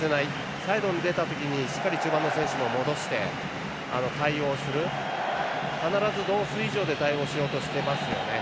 サイドに出た時にしっかり中盤の選手も戻して対応する、必ず同数以上で対応しようとしていますよね。